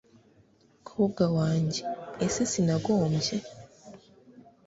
kobwa wanjye ese sinagombye